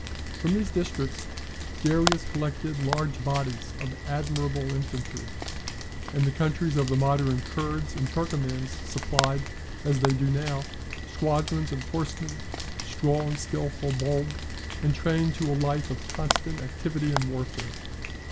From these districts Darius collected large bodies of admirable infantry; and the countries of the modern Kurds and Turkomans supplied, as they do now, squadrons of horsemen, strong, skilful, bold, and trained to a life of constant activity and warfare.